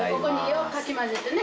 よくかき混ぜてね。